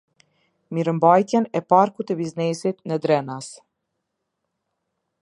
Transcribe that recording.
Mirëmbajtjen e Parkut të Biznesit në Drenas